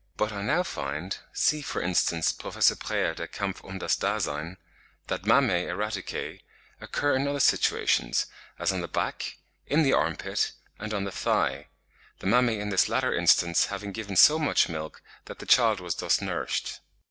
But I now find (see, for instance, Prof. Preyer, 'Der Kampf um das Dasein,' 1869, s. 45) that mammae erraticae, occur in other situations, as on the back, in the armpit, and on the thigh; the mammae in this latter instance having given so much milk that the child was thus nourished.